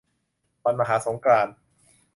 วันมหาสงกรานต์